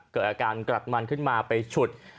เกิดอาการกรัดมันขึ้นมาไปฉุด